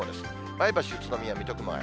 前橋、宇都宮、水戸、熊谷。